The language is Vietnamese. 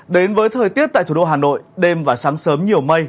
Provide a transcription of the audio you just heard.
đến với thời tiết tại thủ đô hà nội đêm và sáng sớm nhiều mây